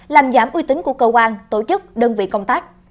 làm giảm uy tín của cơ quan tổ chức đơn vị công tác